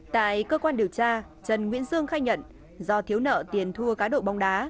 tại cơ quan điều tra trần nguyễn dương khai nhận do thiếu nợ tiền thua cá độ bóng đá